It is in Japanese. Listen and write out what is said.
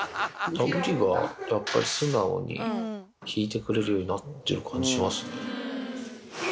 ウリが、やっぱり素直に引いてくれるようになってる感じしますね。